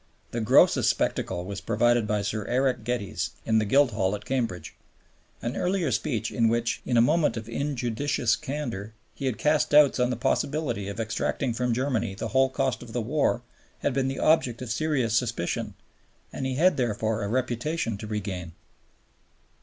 The grossest spectacle was provided by Sir Eric Geddes in the Guildhall at Cambridge. An earlier speech in which, in a moment of injudicious candor, he had cast doubts on the possibility of extracting from Germany the whole cost of the war had been the object of serious suspicion, and he had therefore a reputation to regain.